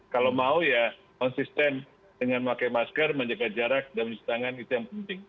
kalau mau ya konsisten dengan pakai masker menjaga jarak dan mencuci tangan itu yang penting